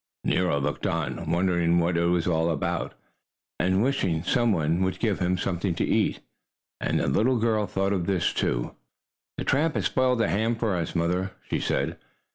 Nero looked on, wondering what it was all about, and wishing some one would give him something to eat. And the little girl thought of this. "The tramp has spoiled the ham for us, Mother," she said.